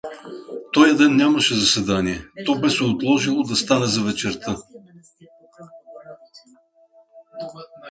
Тоя ден нямаше заседание; то беше се отложило да стане за вечерта.